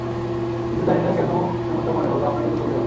কিন্তু জানি না কেন এমনটা মনে হলো আপনাকে তো বলতেই হবে।